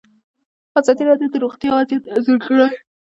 ازادي راډیو د روغتیا وضعیت انځور کړی.